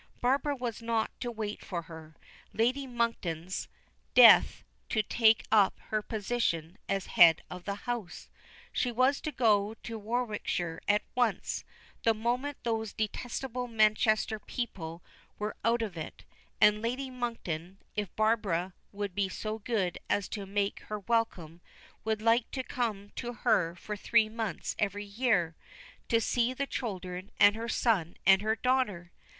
Barbara was not to wait for her Lady Monkton's death to take up her position as head of the house. She was to go to Warwickshire at once, the moment those detestable Manchester people were out of it; and Lady Monkton, if Barbara would be so good as to make her welcome, would like to come to her for three months every year, to see the children, and her son, and her daughter!